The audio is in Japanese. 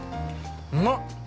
うまっ。